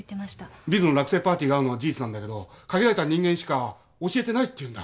ビルの落成パーティーがあるのは事実なんだけど限られた人間しか教えてないって言うんだ。